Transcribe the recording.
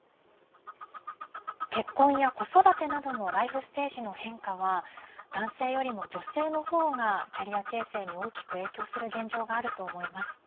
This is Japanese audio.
結婚や子育てなどのライフステージの変化は男性よりも女性の方がキャリア形成に大きく影響する現状があると思います。